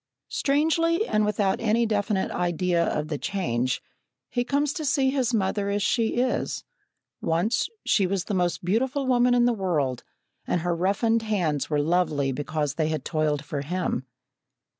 Strangely, and without any definite idea of the change, he comes to see his mother as she is. Once, she was the most beautiful woman in the world, and her roughened hands were lovely because they had toiled for him.